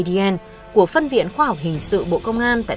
xin chào và hẹn gặp lại